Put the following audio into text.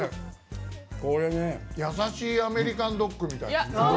優しいアメリカンドッグみたい。